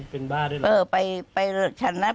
เป็นบ้าได้หรอ